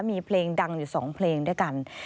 มีเพลงดังอยู่๒เพลงด้วยกัน